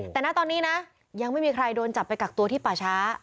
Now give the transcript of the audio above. แต่ณตอนนี้นะยังไม่มีใครโดนจับไปกักตัวที่ป่าช้า